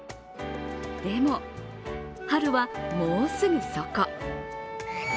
でも、春はもうすぐそこ。